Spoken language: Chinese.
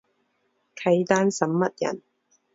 契丹审密人。